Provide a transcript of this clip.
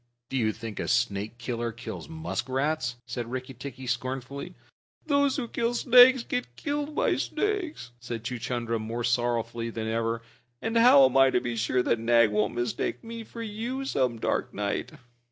"Do you think a snake killer kills muskrats?" said Rikki tikki scornfully. "Those who kill snakes get killed by snakes," said Chuchundra, more sorrowfully than ever. "And how am I to be sure that Nag won't mistake me for you some dark night?"